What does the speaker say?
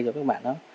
cho các bạn đó